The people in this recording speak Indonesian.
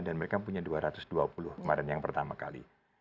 dan mereka punya dua ratus dua puluh kemarin yang pertama kali